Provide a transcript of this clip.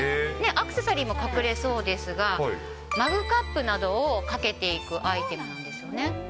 アクセサリーも掛けれそうですが、マグカップなどを掛けていくアイテムなんですね。